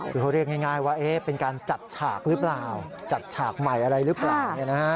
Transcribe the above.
ก็เรียกง่ายว่าเป็นการจัดฉากจัดฉากใหม่อะไรรึเปล่า